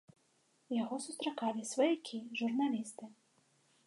Яго сустракалі сваякі, журналісты.